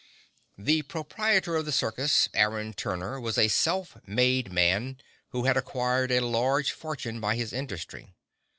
The proprietor of the circus, Aaron Turner, was a self made man, who had acquired a large fortune by his industry.